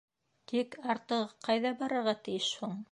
Тик артығы ҡайҙа барырға тейеш һуң?